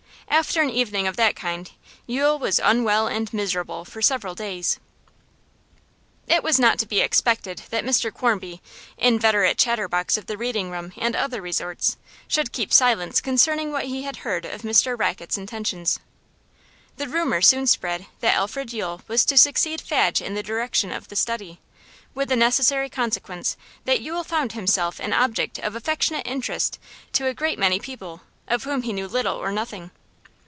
After an evening of that kind Yule was unwell and miserable for several days. It was not to be expected that Mr Quarmby, inveterate chatterbox of the Reading room and other resorts, should keep silence concerning what he had heard of Mr Rackett's intentions. The rumour soon spread that Alfred Yule was to succeed Fadge in the direction of The Study, with the necessary consequence that Yule found himself an object of affectionate interest to a great many people of whom he knew little or nothing.